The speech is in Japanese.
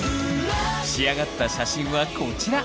仕上がった写真はこちら！